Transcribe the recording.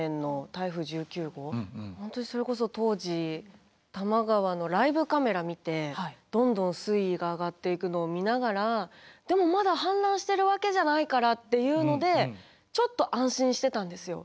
本当にそれこそ当時多摩川のライブカメラ見てどんどん水位が上がっていくのを見ながらでもまだ氾濫してるわけじゃないからっていうのでちょっと安心してたんですよ。